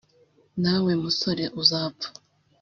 nawe musore uzapfa